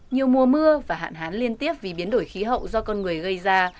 nhiều mùa mưa và hạn hán liên tiếp vì biến đổi khí hậu do con người gây ra